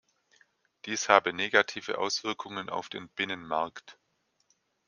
Dies habe negative Auswirkungen auf den Binnenmarkt.